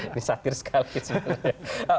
ini satir sekali sebenarnya